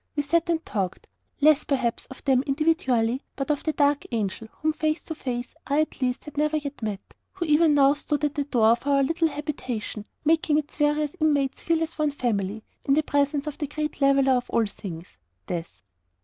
We sat and talked less, perhaps, of them individually, than of the dark Angel, whom face to face I at least had never yet known who even now stood at the door of our little habitation, making its various inmates feel as one family, in the presence of the great leveller of all things Death.